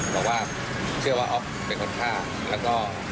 เราเชื่อว่าอ๊อฟเป็นคนฆ่าก็